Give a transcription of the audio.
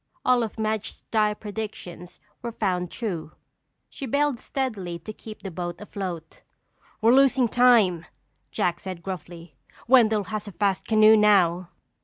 All of Madge's dire predictions were found true. She bailed steadily to keep the boat afloat. "We're losing time," Jack said gruffly. "Wendell has a fast canoe now."